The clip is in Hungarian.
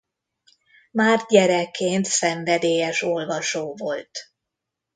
Már gyerekként szenvedélyes olvasó volt.